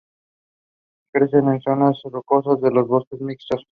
Crece en zonas rocosas de los bosques mixtos.